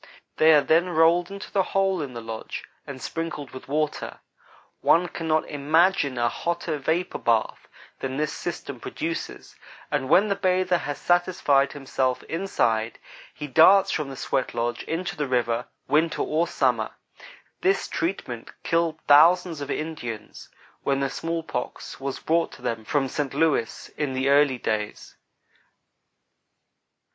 They are then rolled into the hole in the lodge and sprinkled with water. One cannot imagine a hotter vapor bath than this system produces, and when the bather has satisfied himself inside, he darts from the sweat lodge into the river, winter or summer. This treatment killed thousands of Indians when the smallpox was brought to them from Saint Louis, in the early days.